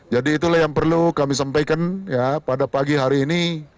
jadi itulah yang perlu kami sampaikan pada pagi hari ini